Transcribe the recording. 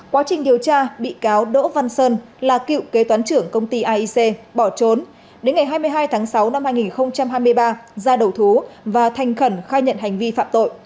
quá trình điều tra bị cáo đỗ văn sơn là cựu kế toán trưởng công ty aic bỏ trốn đến ngày hai mươi hai tháng sáu năm hai nghìn hai mươi ba ra đầu thú và thành khẩn khai nhận hành vi phạm tội